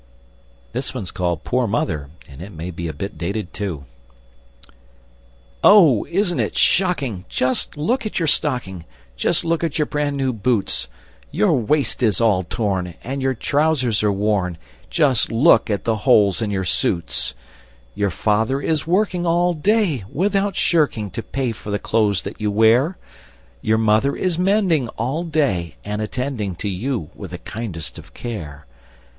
[Illustration: Poor Mother!] POOR MOTHER! Oh! Isn't it shocking! Just look at your stocking! Just look at your brand new boots! Your waist is all torn And your trousers are worn Just look at the holes in your suits! Your father is working All day, without shirking, To pay for the clothes that you wear; Your mother is mending All day, and attending To you, with the kindest of care.